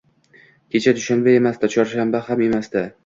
Kecha dushanba emasdi, chorshanba ham emasdi